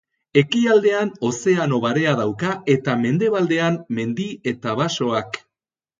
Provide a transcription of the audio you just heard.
Ekialdean Ozeano Barea dauka eta mendebaldean mendi eta basoak.